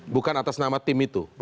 bukan atas nama tim itu